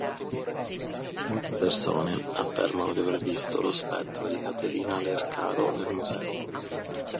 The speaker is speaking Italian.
Molte persone affermano di aver visto lo spettro di Catalina Lercaro nel museo.